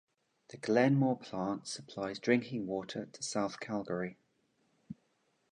The Glenmore plant supplies drinking water to south Calgary.